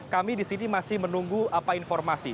kami di sini masih menunggu apa informasi